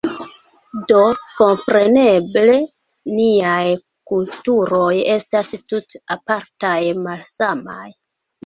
Do, kompreneble niaj kulturoj estas tute apartaj, malsamaj.